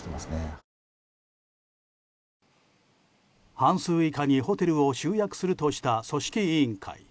半数以下にホテルを集約するとした組織委員会。